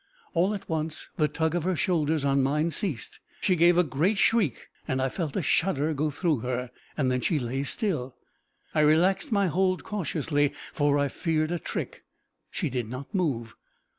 All at once the tug of her hands on mine ceased. She gave a great shriek, and I felt a shudder go through her. Then she lay still. I relaxed my hold cautiously, for I feared a trick. She did not move.